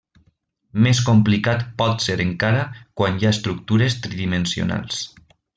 Més complicat pot ser encara quan hi ha estructures tridimensionals.